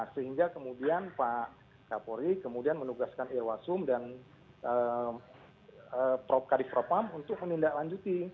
sehingga kemudian pak kapolri kemudian menugaskan irwasum dan prof kadifropam untuk menindaklanjuti